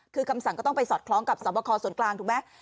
คือคำสั่งก็ต้องไปสอดคล้องกับสวบคอส่วนกลางถูกไหม